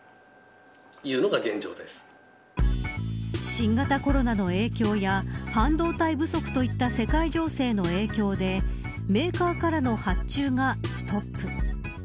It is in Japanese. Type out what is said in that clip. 新型コロナの影響や半導体不足といった世界情勢の影響でメーカーからの発注がストップ。